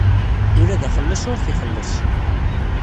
Ula d axelleṣ ur t-ixelleṣ.